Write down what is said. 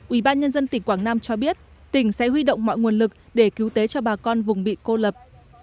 ubnd tỉnh quảng nam cho biết tỉnh sẽ huy động mọi nguồn lực để cứu tế cho bà con vùng bị cô lập